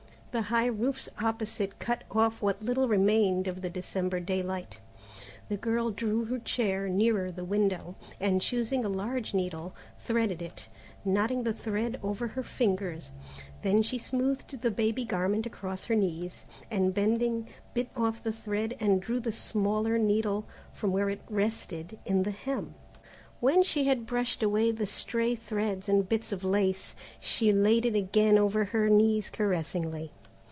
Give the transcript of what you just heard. The high roofs opposite cut off what little remained of the December daylight. The girl drew her chair nearer the window, and choosing a large needle, threaded it, knotting the thread over her fingers. Then she smoothed the baby garment across her knees, and bending, bit off the thread and drew the smaller needle from where it rested in the hem. When she had brushed away the stray threads and bits of lace, she laid it again over her knees caressingly.